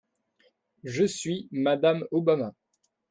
Je suis Mme Obama.